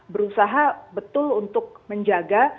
berusaha betul untuk menjaga